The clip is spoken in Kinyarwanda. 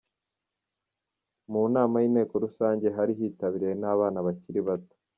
Mu nama y'inteko rusange hari hitabiriye n'abana bakiri bato .